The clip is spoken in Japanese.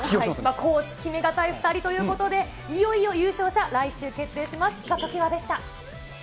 甲乙決め難い２人ということで、いよいよ優勝者、来週決定します。